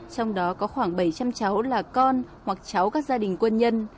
trong đó có khoảng bảy trăm linh cháu là con hoặc cháu các gia đình quân nhân